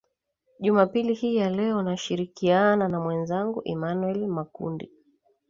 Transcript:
jumapili hii ya leo nashirikiana na mwezangu emanuel makundi